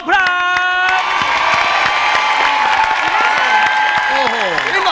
สวัสดีครับ